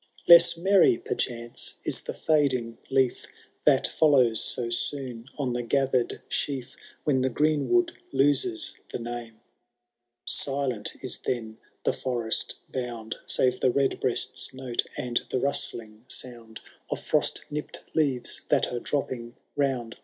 ] 32 HAKOLD THB DAUNTLESS. CuntO IL II. Less merry, perchance^ is the fading leaf That follows so soon on the gathered sheaf, When the greenwood loses the name ; Silent is then the forest bound, Sare the redbreast*s note, and the rustling sound Of frost nipt leaves that are dropping round.